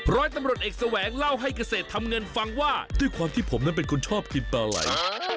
ร้อยตำรวจเอกแสวงเล่าให้เกษตรทำเงินฟังว่าด้วยความที่ผมนั้นเป็นคนชอบกินปลาไหล่